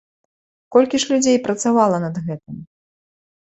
Колькі ж людзей працавала над гэтым?